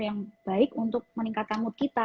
yang baik untuk meningkatkan mood kita